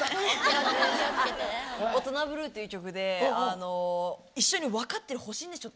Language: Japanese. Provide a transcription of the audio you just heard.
「オトナブルー」という曲で一緒に「わかってるほしいんでしょ？」